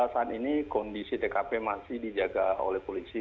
saat ini kondisi tkp masih dijaga oleh polisi